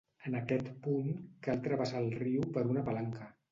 En aquest punt, cal travessar el riu per una palanca.